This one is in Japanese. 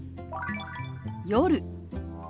「夜」。